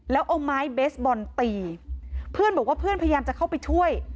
แล้วเอาไม้เบสบอลตีเพื่อนบอกว่าเพื่อนพยายามจะเข้าไปช่วย